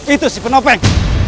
itu si penopeng